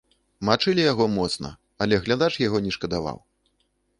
Мачылі яго моцна, але глядач яго не шкадаваў.